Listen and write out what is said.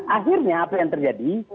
akhirnya apa yang terjadi